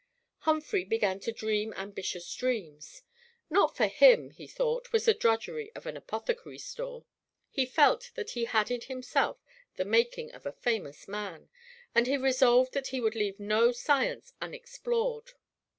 Humphry began to dream ambitious dreams. Not for him, he thought, was the drudgery of an apothecary store. He felt that he had in himself the making of a famous man, and he resolved that he would leave no science unexplored.